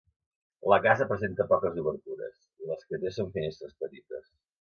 La casa presenta poques obertures, i les que té són finestres petites.